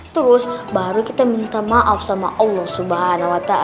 terus baru kita minta maaf sama allah swt